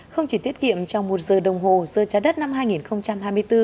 không chỉ tiết kiệm trong một giờ đồng hồ giờ trái đất năm hai nghìn hai mươi bốn